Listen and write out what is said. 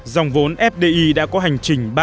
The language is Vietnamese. dòng vốn fdi đã có hành trình